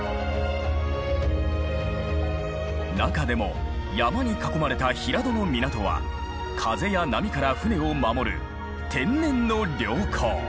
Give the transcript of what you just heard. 中でも山に囲まれた平戸の港は風や波から船を守る天然の良港。